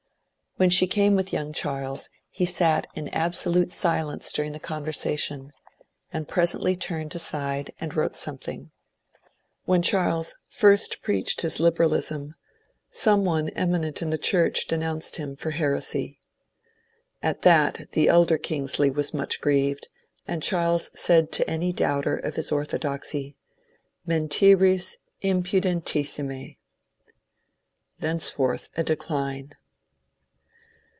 When she came with young Charles, he sat in absolute silence during the conversation, and pre sently turned aside and wrote something. When Charles first preached his liberalism, some one eminent in the Church denounced him for heresy. At that the elder Kingsley was much grieved, and Charles said to any doubter of his ortho doxy, '^ Mentiris impudentissime I " Thenceforth a decline.